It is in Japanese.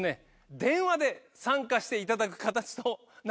電話で参加していただく形となっております。